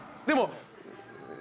でも。